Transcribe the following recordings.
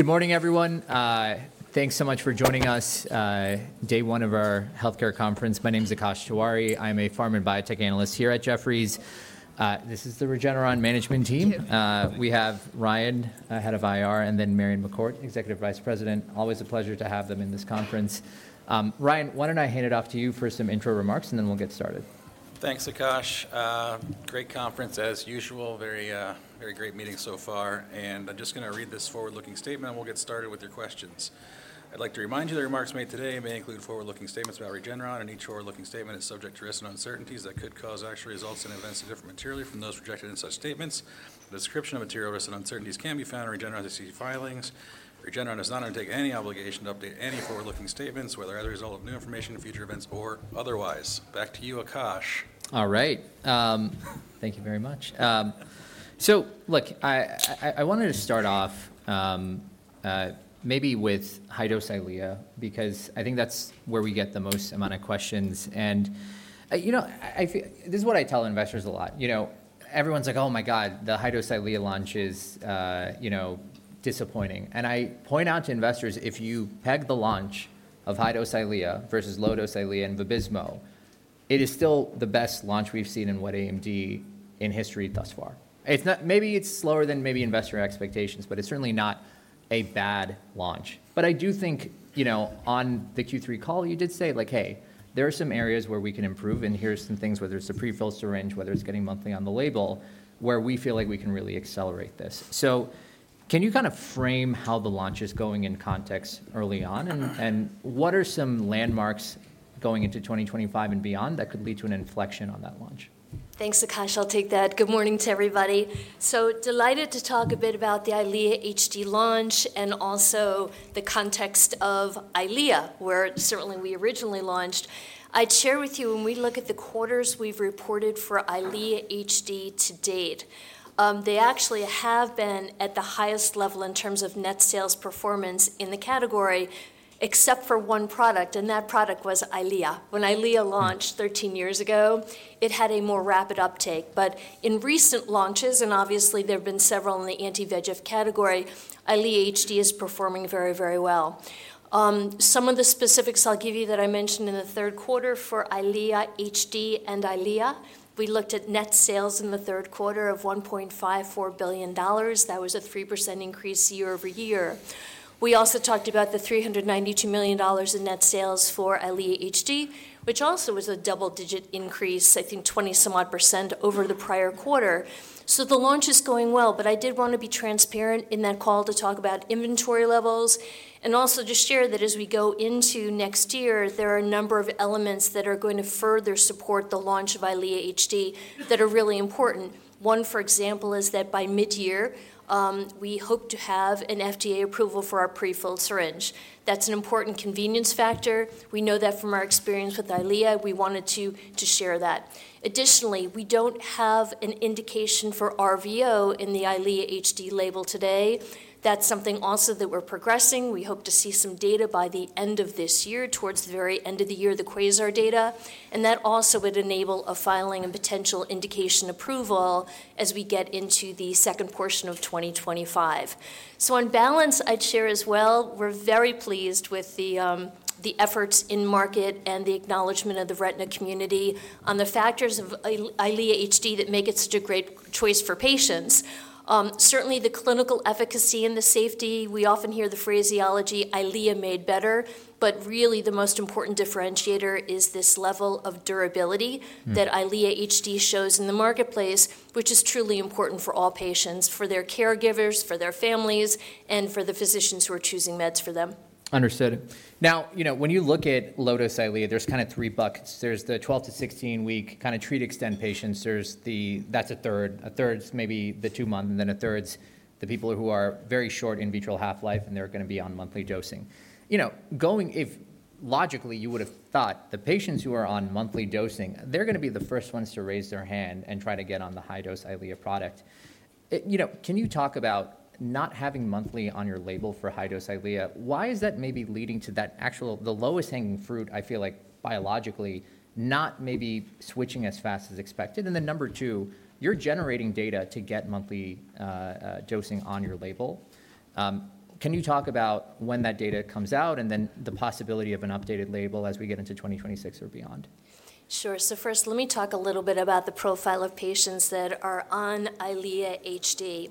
Good morning, everyone. Thanks so much for joining us, day one of our healthcare conference. My name is Akash Tiwari. I'm a pharma and biotech analyst here at Jefferies. This is the Regeneron Management Team. We have Ryan, Head of IR, and then Marion McCourt, Executive Vice President. Always a pleasure to have them in this conference. Ryan, why don't I hand it off to you for some intro remarks, and then we'll get started. Thanks, Akash. Great conference, as usual. Very great meeting so far, and I'm just going to read this forward-looking statement, and we'll get started with your questions. I'd like to remind you that remarks made today may include forward-looking statements about Regeneron. Any forward-looking statement is subject to risks and uncertainties that could cause actual results and events to differ materially from those projected in such statements. The description of material risks and uncertainties can be found in Regeneron's SEC filings. Regeneron does not undertake any obligation to update any forward-looking statements, whether as a result of new information, future events, or otherwise. Back to you, Akash. All right. Thank you very much. So, look, I wanted to start off maybe with high-dose Eylea, because I think that's where we get the most amount of questions. And this is what I tell investors a lot. Everyone's like, "Oh, my God, the high-dose Eylea launch is disappointing." And I point out to investors, if you peg the launch of high-dose Eylea versus low-dose Eylea and Vabysmo, it is still the best launch we've seen in wet AMD in history thus far. Maybe it's slower than maybe investor expectations, but it's certainly not a bad launch. But I do think on the Q3 call, you did say, like, "Hey, there are some areas where we can improve, and here's some things, whether it's the prefilled syringe, whether it's getting monthly on the label, where we feel like we can really accelerate this." So can you kind of frame how the launch is going in context early on, and what are some milestones going into 2025 and beyond that could lead to an inflection on that launch? Thanks, Akash. I'll take that. Good morning to everybody. So delighted to talk a bit about the Eylea HD launch and also the context of Eylea, where certainly we originally launched. I'd share with you, when we look at the quarters we've reported for Eylea HD to date, they actually have been at the highest level in terms of net sales performance in the category, except for one product, and that product was Eylea. When Eylea launched 13 years ago, it had a more rapid uptake. But in recent launches, and obviously there have been several in the anti-VEGF category, Eylea HD is performing very, very well. Some of the specifics I'll give you that I mentioned in the third quarter for Eylea HD and Eylea, we looked at net sales in the third quarter of $1.54 billion. That was a 3% increase year-over-year. We also talked about the $392 million in net sales for Eylea HD, which also was a double-digit increase, I think 20-some-odd % over the prior quarter, so the launch is going well, but I did want to be transparent in that call to talk about inventory levels and also to share that as we go into next year, there are a number of elements that are going to further support the launch of Eylea HD that are really important. One, for example, is that by mid-year, we hope to have an FDA approval for our prefill syringe. That's an important convenience factor. We know that from our experience with Eylea. We wanted to share that. Additionally, we don't have an indication for RVO in the Eylea HD label today. That's something also that we're progressing. We hope to see some data by the end of this year, towards the very end of the year, the QUASAR data, and that also would enable a filing and potential indication approval as we get into the second portion of 2025, so on balance, I'd share as well, we're very pleased with the efforts in market and the acknowledgment of the retina community on the factors of EYLEA HD that make it such a great choice for patients. Certainly, the clinical efficacy and the safety. We often hear the phraseology, "EYLEA made better," but really the most important differentiator is this level of durability that EYLEA HD shows in the marketplace, which is truly important for all patients, for their caregivers, for their families, and for the physicians who are choosing meds for them. Understood. Now, when you look at low-dose Eylea, there's kind of three buckets. There's the 12- to 16-week kind of treat extend patients. That's a third. A third is maybe the two-month, and then a third is the people who are very short in vivo half-life, and they're going to be on monthly dosing. Logically, you would have thought the patients who are on monthly dosing, they're going to be the first ones to raise their hand and try to get on the high-dose Eylea product. Can you talk about not having monthly on your label for high-dose Eylea? Why is that maybe leading to that actually the lowest hanging fruit, I feel like biologically, not maybe switching as fast as expected? And then number two, you're generating data to get monthly dosing on your label. Can you talk about when that data comes out and then the possibility of an updated label as we get into 2026 or beyond? Sure. So first, let me talk a little bit about the profile of patients that are on Eylea HD,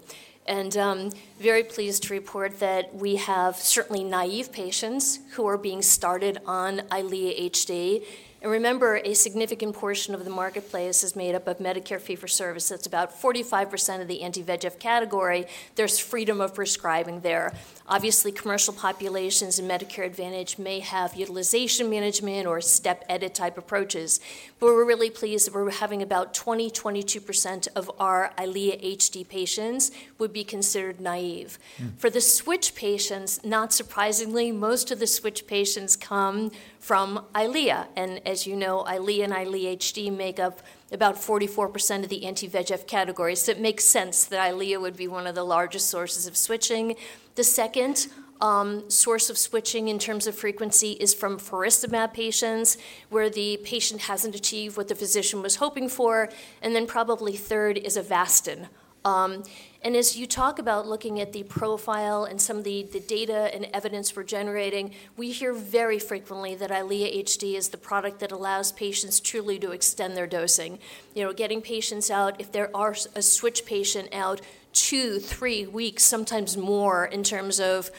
and very pleased to report that we have certainly naive patients who are being started on Eylea HD, and remember, a significant portion of the marketplace is made up of Medicare Fee-for-Service. That's about 45% of the anti-VEGF category. There's freedom of prescribing there. Obviously, commercial populations and Medicare Advantage may have utilization management or step-edit type approaches, but we're really pleased that we're having about 20%-22% of our Eylea HD patients would be considered naive. For the switch patients, not surprisingly, most of the switch patients come from Eylea, and as you know, Eylea and Eylea HD make up about 44% of the anti-VEGF category, so it makes sense that Eylea would be one of the largest sources of switching. The second source of switching in terms of frequency is from Lucentis patients, where the patient hasn't achieved what the physician was hoping for. Then probably third is Avastin. As you talk about looking at the profile and some of the data and evidence we're generating, we hear very frequently that Eylea HD is the product that allows patients truly to extend their dosing. Getting patients out, if there are a switch patient out, two, three weeks, sometimes more in terms of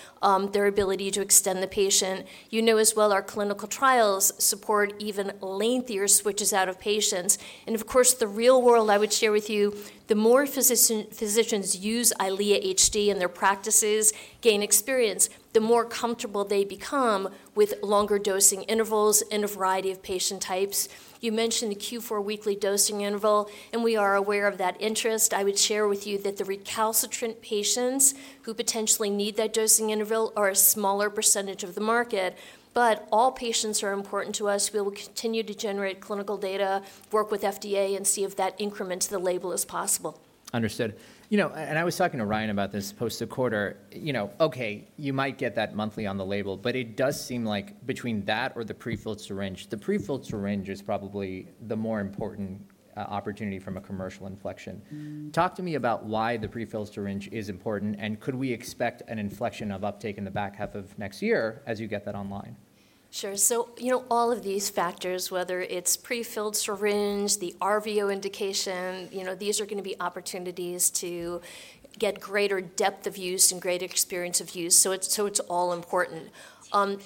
their ability to extend the patient. You know as well our clinical trials support even lengthier switches out of patients. Of course, the real world, I would share with you, the more physicians use Eylea HD in their practices, gain experience, the more comfortable they become with longer dosing intervals in a variety of patient types. You mentioned the Q4 weekly dosing interval, and we are aware of that interest. I would share with you that the recalcitrant patients who potentially need that dosing interval are a smaller percentage of the market. But all patients are important to us. We will continue to generate clinical data, work with FDA, and see if that increments the label as possible. Understood. And I was talking to Ryan about this post-quarter. Okay, you might get that monthly on the label, but it does seem like between that or the prefilled syringe, the prefilled syringe is probably the more important opportunity from a commercial inflection. Talk to me about why the prefilled syringe is important, and could we expect an inflection of uptake in the back half of next year as you get that online? Sure. So all of these factors, whether it's prefilled syringe, the RVO indication, these are going to be opportunities to get greater depth of use and greater experience of use. So it's all important.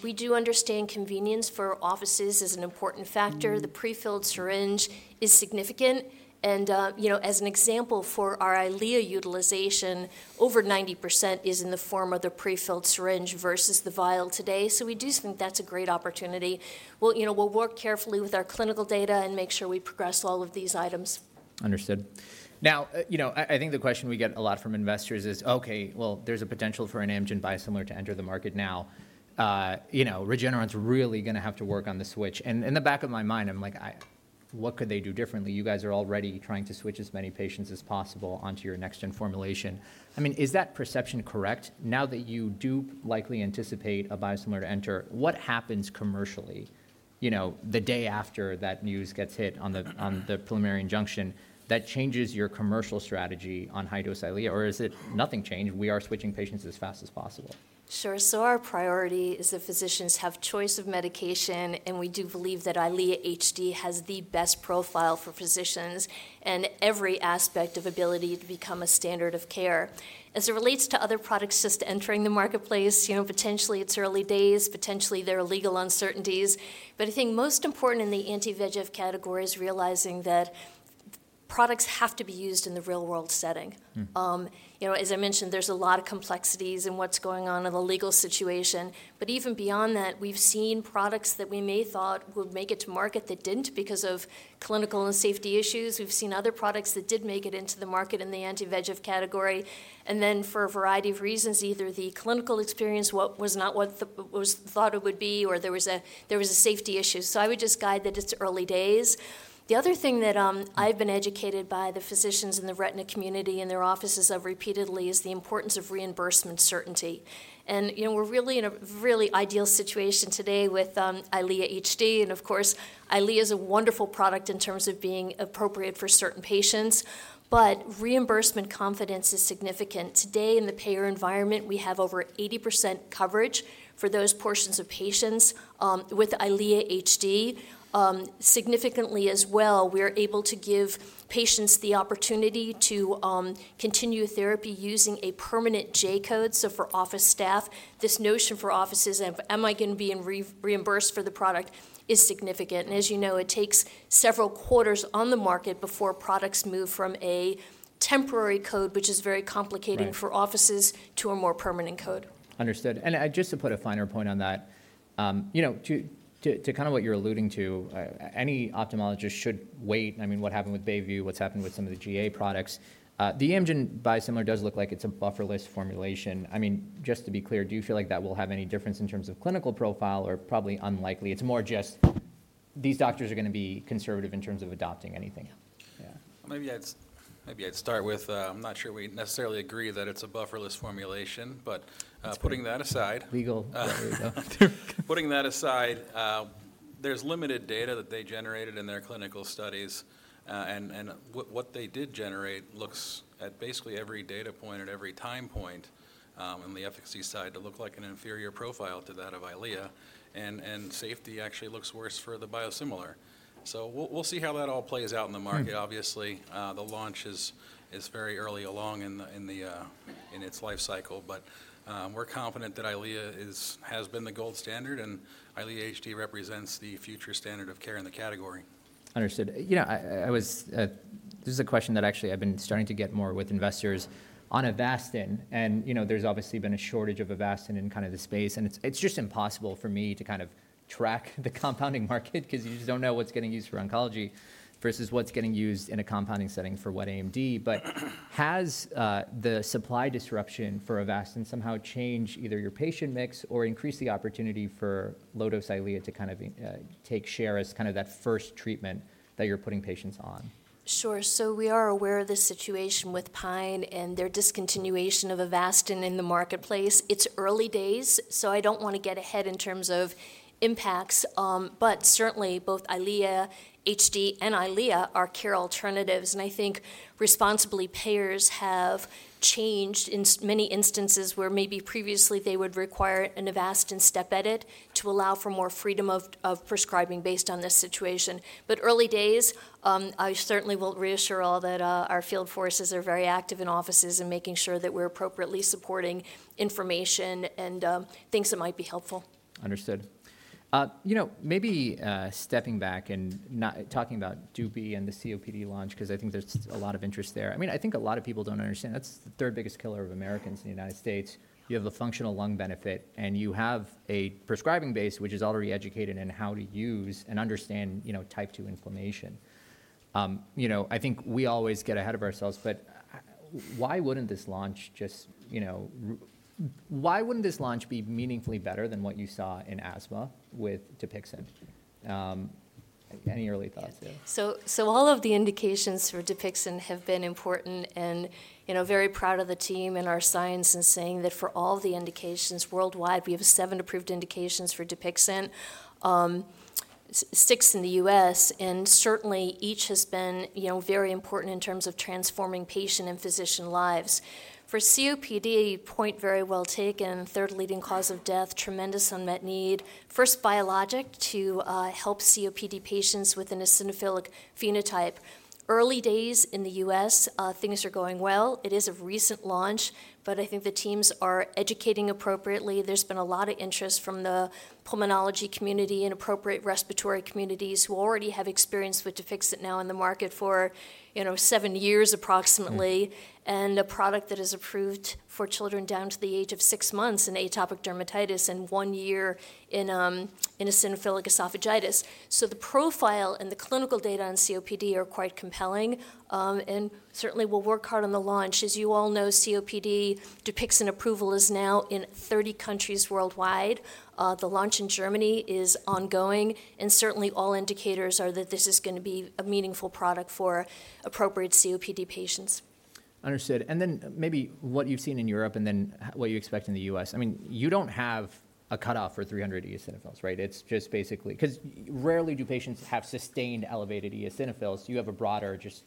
We do understand convenience for offices is an important factor. The prefilled syringe is significant. And as an example for our Eylea utilization, over 90% is in the form of the prefilled syringe versus the vial today. So we do think that's a great opportunity. We'll work carefully with our clinical data and make sure we progress all of these items. Understood. Now, I think the question we get a lot from investors is, "Okay, well, there's a potential for an Amgen biosimilar to enter the market now. Regeneron's really going to have to work on the switch," and in the back of my mind, I'm like, "What could they do differently? You guys are already trying to switch as many patients as possible onto your next-gen formulation." I mean, is that perception correct? Now that you do likely anticipate a biosimilar to enter, what happens commercially the day after that news gets hit on the preliminary injunction that changes your commercial strategy on high-dose Eylea? Or is it nothing changed? We are switching patients as fast as possible. Sure. Our priority is that physicians have choice of medication, and we do believe that Eylea HD has the best profile for physicians and every aspect of ability to become a standard of care. As it relates to other products just entering the marketplace, potentially it's early days, potentially there are legal uncertainties. I think most important in the anti-VEGF category is realizing that products have to be used in the real-world setting. As I mentioned, there's a lot of complexities in what's going on in the legal situation. Even beyond that, we've seen products that we may have thought would make it to market that didn't because of clinical and safety issues. We've seen other products that did make it into the market in the anti-VEGF category. And then for a variety of reasons, either the clinical experience was not what was thought it would be, or there was a safety issue. So I would just guide that it's early days. The other thing that I've been educated by the physicians in the retina community and their offices repeatedly is the importance of reimbursement certainty. And we're really in a really ideal situation today with Eylea HD. And of course, Eylea is a wonderful product in terms of being appropriate for certain patients. But reimbursement confidence is significant. Today in the payer environment, we have over 80% coverage for those portions of patients. With Eylea HD, significantly as well, we are able to give patients the opportunity to continue therapy using a permanent J code. So for office staff, this notion for offices of, "Am I going to be reimbursed for the product?" is significant. As you know, it takes several quarters on the market before products move from a temporary code, which is very complicated for offices, to a more permanent code. Understood. And just to put a finer point on that, to kind of what you're alluding to, any ophthalmologist should wait. I mean, what happened with Beovu, what's happened with some of the GA products? The Amgen biosimilar does look like it's a bufferless formulation. I mean, just to be clear, do you feel like that will have any difference in terms of clinical profile or probably unlikely? It's more just these doctors are going to be conservative in terms of adopting anything. Maybe I'd start with, I'm not sure we necessarily agree that it's a bufferless formulation, but putting that aside. Legal. Putting that aside, there's limited data that they generated in their clinical studies, and what they did generate looks at basically every data point at every time point on the efficacy side to look like an inferior profile to that of Eylea, and safety actually looks worse for the biosimilar, so we'll see how that all plays out in the market. Obviously, the launch is very early along in its life cycle, but we're confident that Eylea has been the gold standard, and Eylea HD represents the future standard of care in the category. Understood. This is a question that actually I've been starting to get more with investors on Avastin, and there's obviously been a shortage of Avastin in kind of the space, and it's just impossible for me to kind of track the compounding market because you just don't know what's getting used for oncology versus what's getting used in a compounding setting for what AMD, but has the supply disruption for Avastin somehow changed either your patient mix or increased the opportunity for low-dose Eylea to kind of take share as kind of that first treatment that you're putting patients on? Sure, so we are aware of the situation with Pine and their discontinuation of Avastin in the marketplace. It's early days, so I don't want to get ahead in terms of impacts. But certainly, both Eylea HD and Eylea are care alternatives. And I think responsible payers have changed in many instances where maybe previously they would require an Avastin Step-Edit to allow for more freedom of prescribing based on this situation. But early days, I certainly will reassure all that our field forces are very active in offices and making sure that we're appropriately supporting information and things that might be helpful. Understood. Maybe stepping back and not talking about Dupi and the COPD launch because I think there's a lot of interest there. I mean, I think a lot of people don't understand. That's the third biggest killer of Americans in the United States. You have the functional lung benefit, and you have a prescribing base which is already educated in how to use and understand type 2 inflammation. I think we always get ahead of ourselves, but why wouldn't this launch be meaningfully better than what you saw in asthma with Dupixent? Any early thoughts? All of the indications for Dupixent have been important, and very proud of the team and our science in saying that for all the indications worldwide, we have seven approved indications for Dupixent, six in the U.S. Certainly, each has been very important in terms of transforming patient and physician lives. For COPD, point very well taken, third leading cause of death, tremendous unmet need, first biologic to help COPD patients with an eosinophilic phenotype. Early days in the U.S., things are going well. It is a recent launch, but I think the teams are educating appropriately. There's been a lot of interest from the pulmonology community and appropriate respiratory communities who already have experience with Dupixent now in the market for seven years approximately. And a product that is approved for children down to the age of six months in atopic dermatitis and one year in eosinophilic esophagitis. So the profile and the clinical data on COPD are quite compelling. And certainly, we'll work hard on the launch. As you all know, COPD Dupixent approval is now in 30 countries worldwide. The launch in Germany is ongoing. And certainly, all indicators are that this is going to be a meaningful product for appropriate COPD patients. Understood, and then maybe what you've seen in Europe and then what you expect in the U.S. I mean, you don't have a cutoff for 300 eosinophils, right? It's just basically because rarely do patients have sustained elevated eosinophils. You have a broader just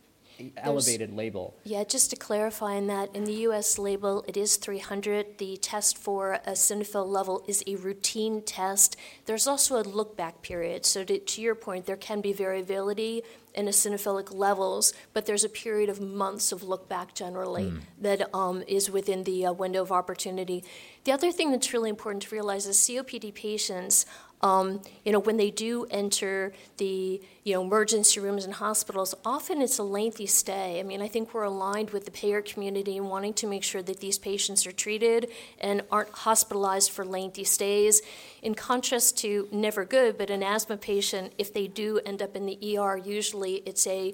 elevated label. Yeah. Just to clarify on that, in the U.S. label, it is 300. The test for eosinophil level is a routine test. There's also a look-back period. So to your point, there can be variability in eosinophilic levels, but there's a period of months of look-back generally that is within the window of opportunity. The other thing that's really important to realize is COPD patients, when they do enter the emergency rooms and hospitals, often it's a lengthy stay. I mean, I think we're aligned with the payer community in wanting to make sure that these patients are treated and aren't hospitalized for lengthy stays. In contrast, it's never good, but an asthma patient, if they do end up, usually it's a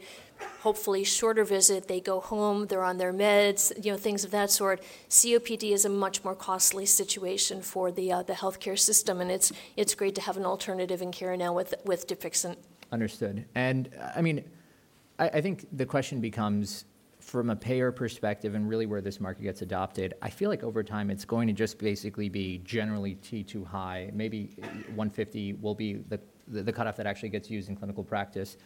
hopefully shorter visit. They go home, they're on their meds, things of that sort. COPD is a much more costly situation for the healthcare system. It's great to have an alternative in care now with Dupixent. Understood. And I mean, I think the question becomes from a payer perspective and really where this market gets adopted. I feel like over time it's going to just basically be generally T2 high. Maybe 150 will be the cutoff that actually gets used in clinical practice.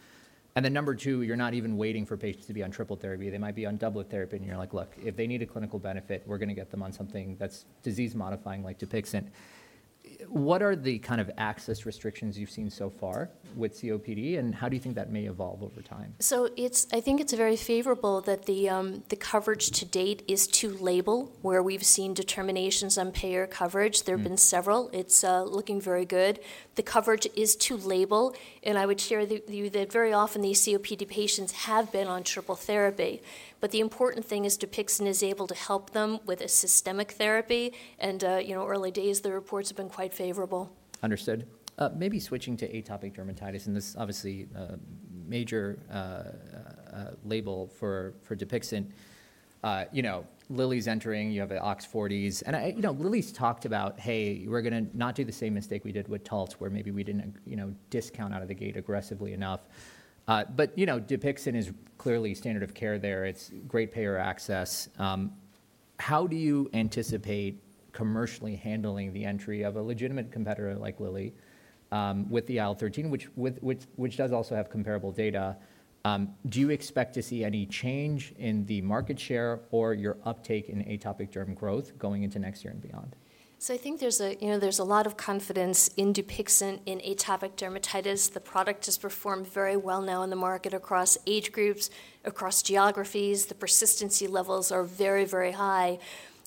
And then number two, you're not even waiting for patients to be on triple therapy. They might be on double therapy, and you're like, "Look, if they need a clinical benefit, we're going to get them on something that's disease-modifying like Dupixent." What are the kind of access restrictions you've seen so far with COPD, and how do you think that may evolve over time? So I think it's very favorable that the coverage to date is to label, where we've seen determinations on payer coverage. There have been several. It's looking very good. The coverage is to label. And I would share with you that very often these COPD patients have been on triple therapy. But the important thing is Dupixent is able to help them with a systemic therapy. And early days, the reports have been quite favorable. Understood. Maybe switching to atopic dermatitis. And this is obviously a major label for Dupixent. Lilly's entering. You have the OX40s. And Lilly's talked about, "Hey, we're going to not do the same mistake we did with Taltz, where maybe we didn't discount out of the gate aggressively enough." But Dupixent is clearly standard of care there. It's great payer access. How do you anticipate commercially handling the entry of a legitimate competitor like Lilly with the IL-13, which does also have comparable data? Do you expect to see any change in the market share or your uptake in atopic derm growth going into next year and beyond? So I think there's a lot of confidence in Dupixent in atopic dermatitis. The product has performed very well now in the market across age groups, across geographies. The persistency levels are very, very high.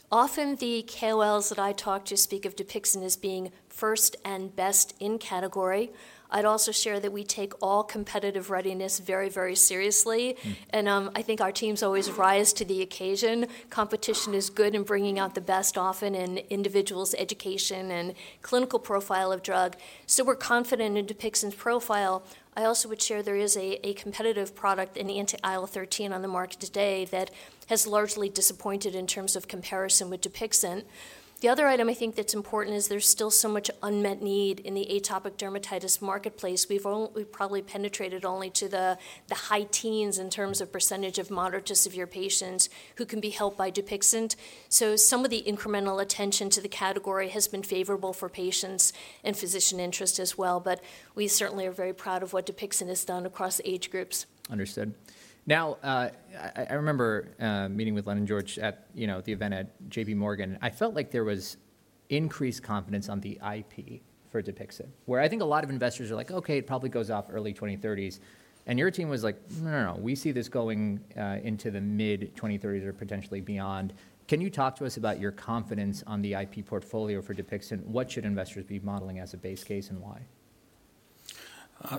Often the KOLs that I talk to speak of Dupixent as being first and best in category. I'd also share that we take all competitive readiness very, very seriously. And I think our teams always rise to the occasion. Competition is good in bringing out the best often in individuals' education and clinical profile of drug. So we're confident in Dupixent's profile. I also would share there is a competitive product in anti-IL-13 on the market today that has largely disappointed in terms of comparison with Dupixent. The other item I think that's important is there's still so much unmet need in the atopic dermatitis marketplace. We've probably penetrated only to the high teens in terms of percentage of moderate to severe patients who can be helped by Dupixent. So some of the incremental attention to the category has been favorable for patients and physician interest as well. But we certainly are very proud of what Dupixent has done across age groups. Understood. Now, I remember meeting with Len and George at the event at J.P. Morgan. I felt like there was increased confidence on the IP for Dupixent, where I think a lot of investors are like, "Okay, it probably goes off early 2030s." And your team was like, "No, no, no. We see this going into the mid-2030s or potentially beyond." Can you talk to us about your confidence on the IP portfolio for Dupixent? What should investors be modeling as a base case and why?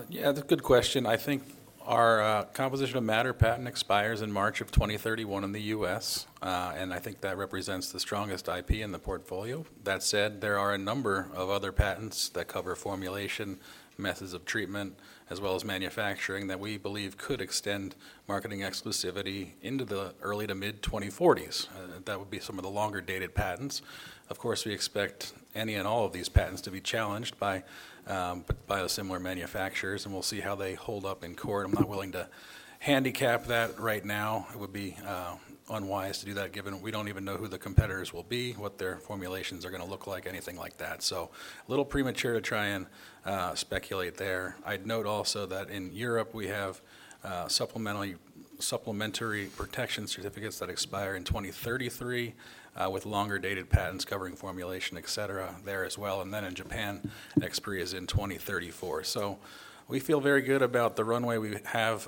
Yeah, that's a good question. I think our composition of matter patent expires in March of 2031 in the U.S. I think that represents the strongest IP in the portfolio. That said, there are a number of other patents that cover formulation, methods of treatment, as well as manufacturing that we believe could extend marketing exclusivity into the early to mid-2040s. That would be some of the longer dated patents. Of course, we expect any and all of these patents to be challenged by biosimilar manufacturers, and we'll see how they hold up in court. I'm not willing to handicap that right now. It would be unwise to do that given we don't even know who the competitors will be, what their formulations are going to look like, anything like that. A little premature to try and speculate there. I'd note also that in Europe, we have supplementary protection certificates that expire in 2033 with longer dated patents covering formulation, et cetera, there as well, and then in Japan, expiry is in 2034, so we feel very good about the runway we have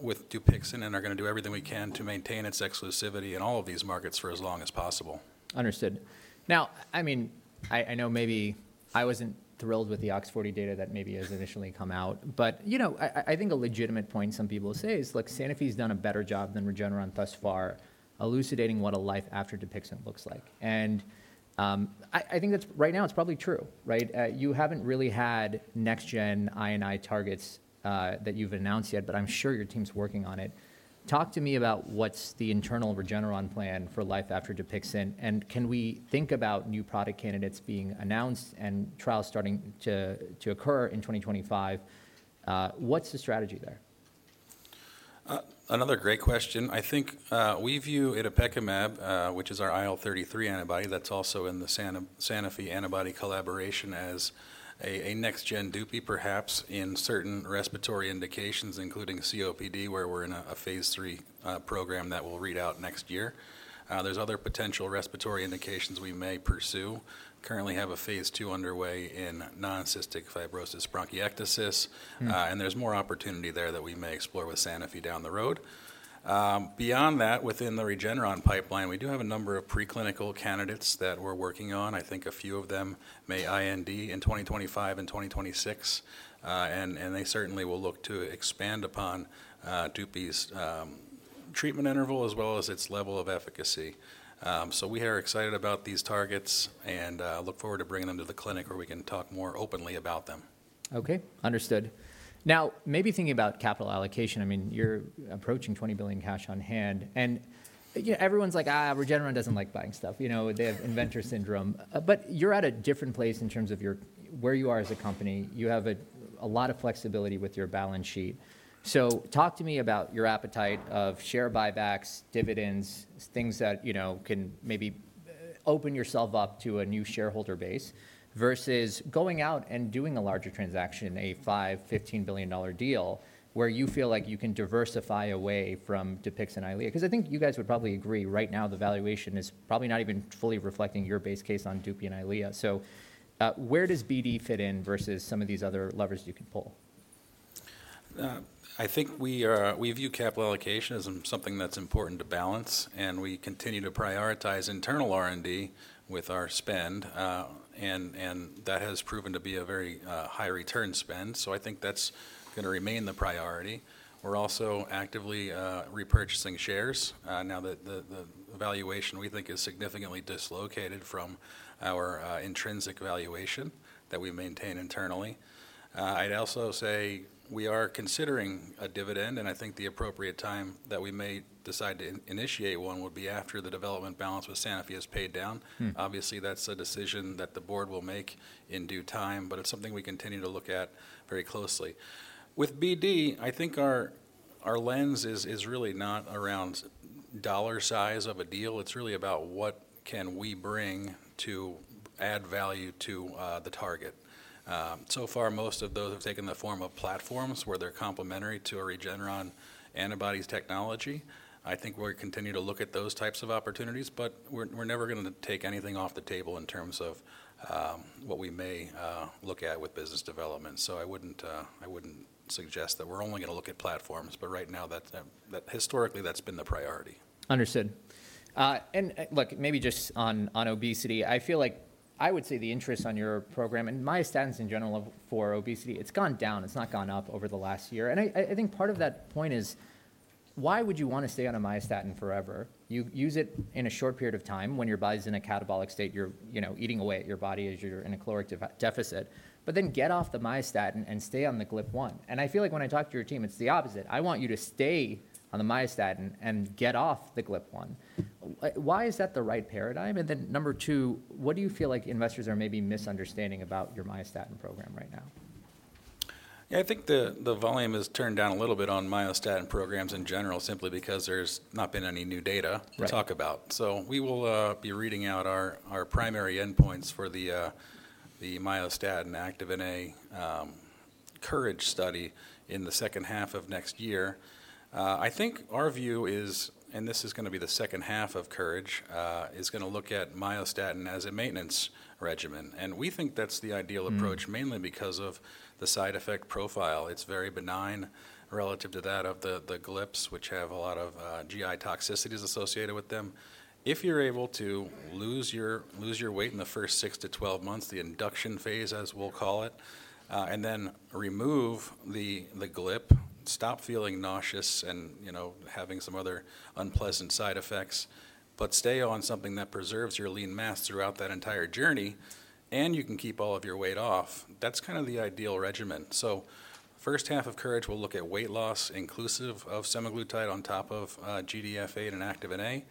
with Dupixent and are going to do everything we can to maintain its exclusivity in all of these markets for as long as possible. Understood. Now, I mean, I know maybe I wasn't thrilled with the OX40 data that maybe has initially come out, but I think a legitimate point some people say is, look, Sanofi's done a better job than Regeneron thus far elucidating what a life after Dupixent looks like, and I think right now it's probably true, right? You haven't really had next-gen IL-13 targets that you've announced yet, but I'm sure your team's working on it. Talk to me about what's the internal Regeneron plan for life after Dupixent, and can we think about new product candidates being announced and trials starting to occur in 2025? What's the strategy there? Another great question. I think we view itapekimab, which is our IL-33 antibody that's also in the Sanofi antibody collaboration as a next-gen Doobie, perhaps in certain respiratory indications, including COPD, where we're in a Phase III program that will read out next year. There's other potential respiratory indications we may pursue. Currently, we have a Phase II underway in non-cystic fibrosis bronchiectasis. And there's more opportunity there that we may explore with Sanofi down the road. Beyond that, within the Regeneron pipeline, we do have a number of preclinical candidates that we're working on. I think a few of them may IND in 2025 and 2026. And they certainly will look to expand upon Doobie's treatment interval as well as its level of efficacy. So we are excited about these targets and look forward to bringing them to the clinic where we can talk more openly about them. Okay. Understood. Now, maybe thinking about capital allocation. I mean, you're approaching $20 billion cash on hand. And everyone's like, Regeneron doesn't like buying stuff. They have inventor syndrome. But you're at a different place in terms of where you are as a company. You have a lot of flexibility with your balance sheet. So talk to me about your appetite of share buybacks, dividends, things that can maybe open yourself up to a new shareholder base versus going out and doing a larger transaction, a $5-$15 billion deal where you feel like you can diversify away from Dupixent and Eylea. Because I think you guys would probably agree right now the valuation is probably not even fully reflecting your base case on Doobie and Eylea. So where does BD fit in versus some of these other levers you can pull? I think we view capital allocation as something that's important to balance, and we continue to prioritize internal R&D with our spend. And that has proven to be a very high-return spend, so I think that's going to remain the priority. We're also actively repurchasing shares now that the valuation we think is significantly dislocated from our intrinsic valuation that we maintain internally. I'd also say we are considering a dividend, and I think the appropriate time that we may decide to initiate one would be after the development balance with Sanofi has paid down. Obviously, that's a decision that the board will make in due time, but it's something we continue to look at very closely. With BD, I think our lens is really not around dollar size of a deal. It's really about what can we bring to add value to the target. So far, most of those have taken the form of platforms where they're complementary to Regeneron's antibody technology. I think we're going to continue to look at those types of opportunities. But we're never going to take anything off the table in terms of what we may look at with business development. So I wouldn't suggest that we're only going to look at platforms. But right now, historically, that's been the priority. Understood. And look, maybe just on obesity, I feel like I would say the interest on your program and myostatin in general for obesity, it's gone down. It's not gone up over the last year. And I think part of that point is why would you want to stay on a myostatin forever? You use it in a short period of time when your body's in a catabolic state. You're eating away at your body as you're in a caloric deficit. But then get off the myostatin and stay on the GLP-1. And I feel like when I talk to your team, it's the opposite. I want you to stay on the myostatin and get off the GLP-1. Why is that the right paradigm? And then number two, what do you feel like investors are maybe misunderstanding about your myostatin program right now? Yeah, I think the volume has turned down a little bit on myostatin programs in general simply because there's not been any new data to talk about. So we will be reading out our primary endpoints for the myostatin Activin A COURAGE study in the second half of next year. I think our view is, and this is going to be the second half of COURAGE, is going to look at myostatin as a maintenance regimen. And we think that's the ideal approach mainly because of the side effect profile. It's very benign relative to that of the GLPs, which have a lot of GI toxicities associated with them. If you're able to lose your weight in the first six to 12 months, the induction Phase, as we'll call it, and then remove the GLP, stop feeling nauseous and having some other unpleasant side effects, but stay on something that preserves your lean mass throughout that entire journey, and you can keep all of your weight off, that's kind of the ideal regimen. So first half of COURAGE, we'll look at weight loss inclusive of semaglutide on top of GDF8 and Activin A.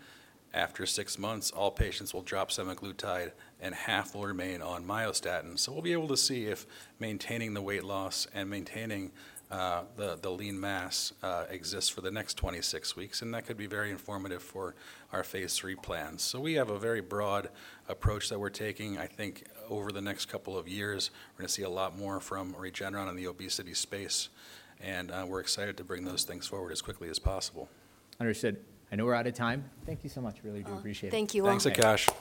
After six months, all patients will drop semaglutide, and half will remain on myostatin. So we'll be able to see if maintaining the weight loss and maintaining the lean mass exists for the next 26 weeks. And that could be very informative for our Phase III plan. So we have a very broad approach that we're taking. I think over the next couple of years, we're going to see a lot more from Regeneron in the obesity space, and we're excited to bring those things forward as quickly as possible. Understood. I know we're out of time. Thank you so much. Really do appreciate it. Thank you. Thanks to Akash.